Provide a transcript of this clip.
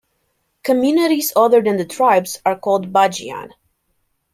Communities other than the tribes are called 'Bajiyan'.